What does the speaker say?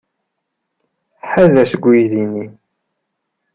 Ḥader seg uydi-nni?